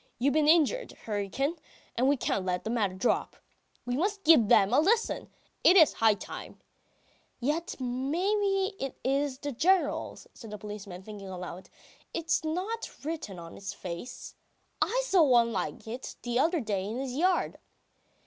You've been injured, Hryukin, and we can't let the matter drop. ... We must give them a lesson! It is high time ....!" "Yet maybe it is the General's," says the policeman, thinking aloud. "It's not written on its face. ... I saw one like it the other day in his yard."